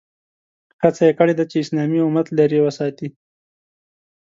هڅه یې کړې ده چې اسلامي امت لرې وساتي.